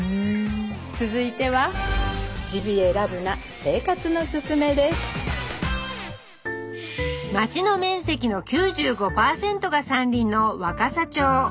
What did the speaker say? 続いては町の面積の９５％が山林の若桜町。